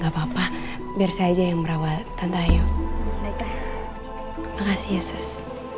makasih ya sus